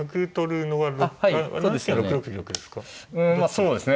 そうですね。